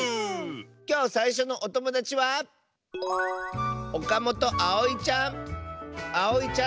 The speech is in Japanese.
きょうさいしょのおともだちはあおいちゃんの。